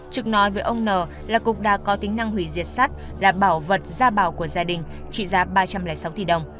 trực nói với ông n là cục đa có tính năng hủy diệt sắt là bảo vật gia bảo của gia đình trị giá ba trăm linh sáu tỷ đồng